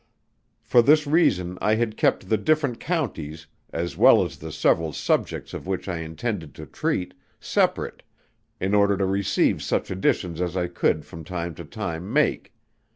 For this reason I had kept the different Counties, as well as the several subjects of which I intended to treat, separate, in order to receive such additions as I could from time to time make.